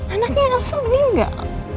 anaknya elsa meninggal